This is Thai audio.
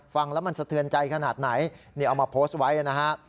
ฟังแล้วมันสะเทือนใจขนาดไหนนี่เอามาโพสต์ไว้นะฮะ